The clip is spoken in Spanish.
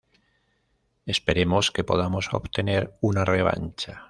Esperemos que podamos obtener una revancha.